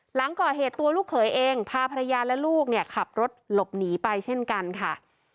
หลังก่อเหตุตัวลูกเขยเองพาภรรยาและลูกเนี่ยขับรถหลบหนีไปเช่นกันค่ะ